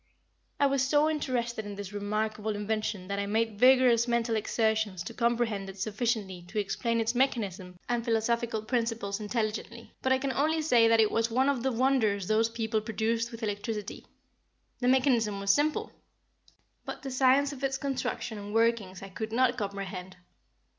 I was so interested in this very remarkable invention that I made vigorous mental exertions to comprehend it sufficiently to explain its mechanism and philosophical principles intelligently; but I can only say that it was one of the wonders those people produced with electricity. The mechanism was simple, but the science of its construction and workings I could not comprehend.